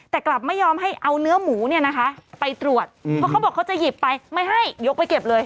แต่กลับไม่ยอมให้เอาเนื้อหมูเนี่ยนะคะไปตรวจเพราะเขาบอกเขาจะหยิบไปไม่ให้ยกไปเก็บเลย